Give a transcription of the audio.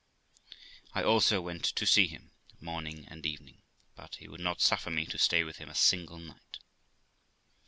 I also went to see him morning and evening, but he would not suffer me to stay with him a single night.